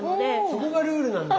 そこがルールなんだ。